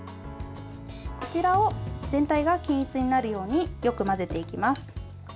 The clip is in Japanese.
こちらを全体が均一になるようによく混ぜていきます。